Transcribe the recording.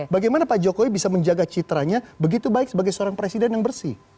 bagaimana pak jokowi bisa menjaga citranya begitu baik sebagai seorang presiden yang bersih